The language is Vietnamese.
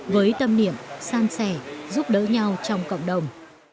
với tâm niệm san sẻ giúp đỡ nhau trong cộng đồng